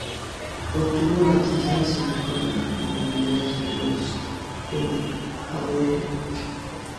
Obtuvo la atención nacional con la comunidad "La Luz" en Albuquerque.